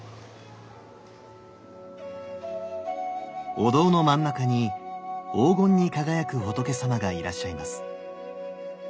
お堂の真ん中に黄金に輝く仏さまがいらっしゃいます。